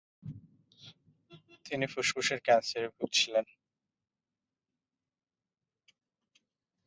তিনি ফুসফুসের ক্যান্সারে ভুগছিলেন।